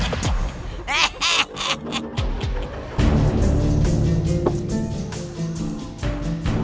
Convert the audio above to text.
kami berjanji lampir